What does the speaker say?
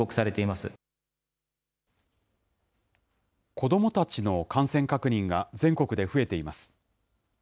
子どもたちの感染確認が全国で増えています。